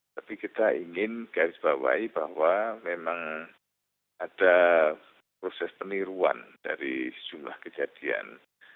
tapi kita ingin garis bawahi bahwa memang ada proses peniruan dari sejumlah kejadian